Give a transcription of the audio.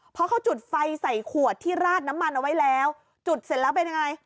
เพราะเขาจุดไฟใส่ขวดที่ราดน้ำมันเอาไว้แล้วจุดเสร็จแล้วเป็นยังไง